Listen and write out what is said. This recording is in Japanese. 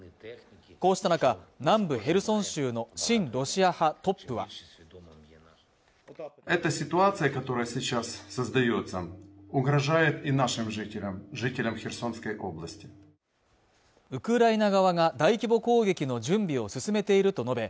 こうした中南部ヘルソン州の親ロシア派トップはウクライナ側が大規模攻撃の準備を進めていると述べ